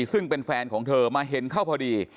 ซึ่งเป็นแฟนของเธอมาเห็นเข้าพอดี